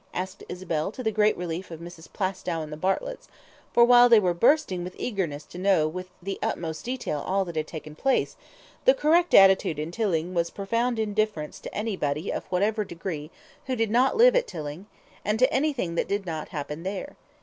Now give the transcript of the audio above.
asked Isabel, to the great relief of Mrs. Plaistow and the Bartletts, for while they were bursting with eagerness to know with the utmost detail all that had taken place, the correct attitude in Tilling was profound indifference to anybody of whatever degree who did not live at Tilling, and to anything that did not happen there.